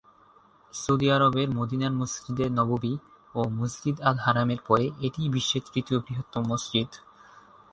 Saudi আরবের মদিনার মসজিদে নববী ও মসজিদ আল-হারাম এর পরে এটিই বিশ্বের তৃতীয় বৃহত্তম মসজিদ।